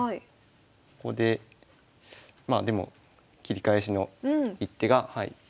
ここでまあでも切り返しの一手が。